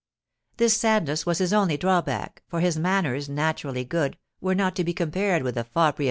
This sadness was his only drawback, for his manners, naturally good, were not to be compared with the foppery of M.